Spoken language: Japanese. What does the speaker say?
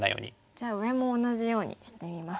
じゃあ上も同じようにしてみます。